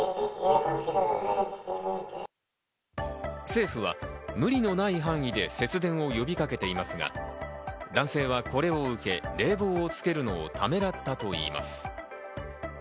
政府は無理のない範囲で節電を呼びかけていますが、男性はこれを受け、冷房をつけるのをためらったといいます。